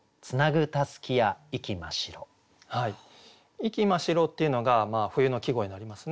「息真白」っていうのが冬の季語になりますね。